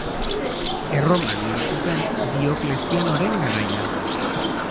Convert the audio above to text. Erroman hil zuten Dioklezianoren garaian.